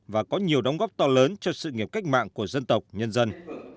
và có nhiều đóng góp to lớn cho sự nghiệp cách mạng của dân tộc nhân dân